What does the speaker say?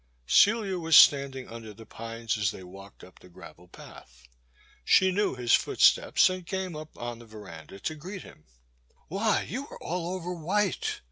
Cdia was standing under the pines as they walked up the gravel path. She knew his foot steps and came up on the verandah to greet him. Why, you are all over white